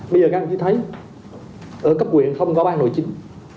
bây giờ các bạn có thể thấy ở cấp quyền không có ban nội chính